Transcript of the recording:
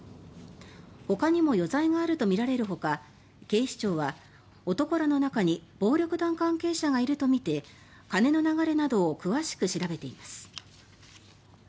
ほかにも余罪があるとみられるほか警視庁は、男らの中に暴力団関係者がいるとみて金の流れなどを詳しく調べています。